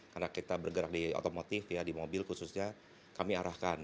karena kita bergerak di otomotif di mobil khususnya kami arahkan